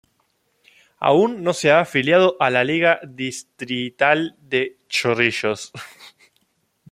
Aún no se ha afiliado a la Liga Distrital de Chorrillos.